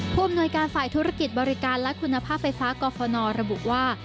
ผู้อำนวยการฝ่ายธุรกิจบริการและคุณภาพไฟฟ้ากรฟนระบุว่า